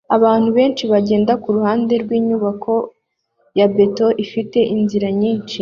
abantu benshi bagenda kuruhande rwinyubako ya beto ifite inzira nyinshi